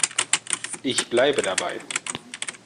Ich bleibe dabei.